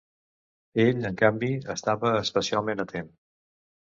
Ell, en canvi, estava especialment atent.